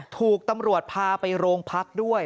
ถูกตำรวจพาไปโรงพักด้วย